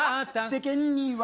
「世間には」